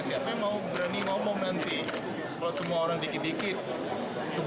siapa yang mau berani ngomong nanti kalau semua orang dikit dikit kebencian dikit dikit ini sama sekali